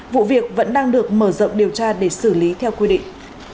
vụ việc vẫn đang được mở rộng điều tra để xử lý theo quy định